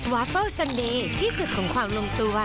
วาเฟิลซันเดย์ที่สุดของความลงตัว